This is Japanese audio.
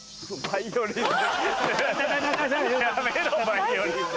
やめろバイオリンで。